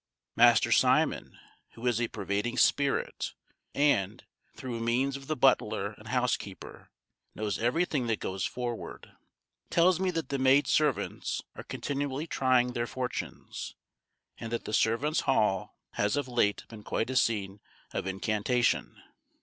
Master Simon, who is a pervading spirit, and, through means of the butler and housekeeper, knows everything that goes forward, tells me that the maid servants are continually trying their fortunes, and that the servants' hall has of late been quite a scene of incantation.